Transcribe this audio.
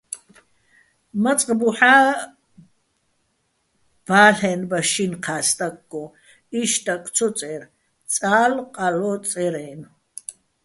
მაწყ ბუჰ̦ა́ ბალ'ენბა შინ-ჴა სტაკგო: იშტაკ ცო წე́რ, "წალო̆-ყალო̆" წერ-ა́ჲნო̆.